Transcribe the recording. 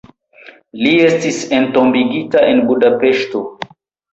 Li estis entombigita en Budapeŝto.